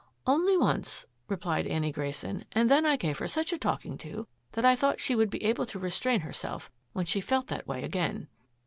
"Only once," replied Annie Grayson, "and then I gave her such a talking to that I thought she would be able to restrain herself when she felt that way again."